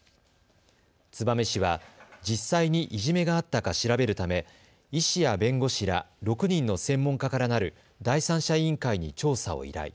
燕市は、実際にいじめがあったか調べるため医師や弁護士ら６人の専門家からなる第三者委員会に調査を依頼。